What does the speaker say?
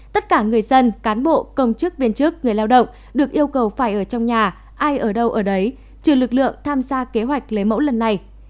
tất cả người dân cán bộ công chức viên chức người lao động được yêu cầu phải ở trong nhà ai ở đâu ở đấy trừ lực lượng tham gia kế hoạch lấy mẫu lần này